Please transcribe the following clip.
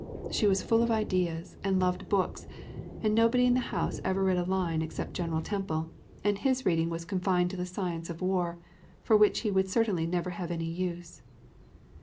She was full of ideas, and loved books, and nobody in the house ever read a line except General Temple, and his reading was confined to the science of war, for which he would certainly never have any use.